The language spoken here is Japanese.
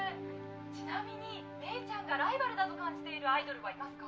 「ちなみにメイちゃんがライバルだと感じているアイドルはいますか？」